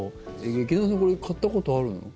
劇団さんこれ、買ったことあるの？